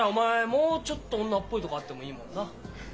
もうちょっと女っぽいとこあってもいいもんな。